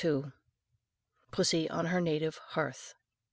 _] PUSSY ON HER NATIVE HEARTH.